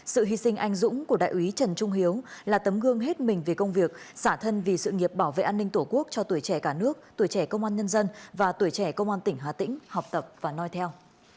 sự hy sinh anh dũng của đại úy trần trung hiếu là tấm gương hết mình về công việc xả thân vì sự nghiệp bảo vệ an ninh tổ quốc cho tuổi trẻ cả nước tuổi trẻ công an nhân dân và tuổi trẻ công an tỉnh hà tĩnh học tập và nói theo